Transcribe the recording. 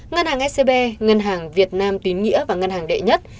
ngân hàng scb ngân hàng việt nam tín nghĩa và ngân hàng đệ nhất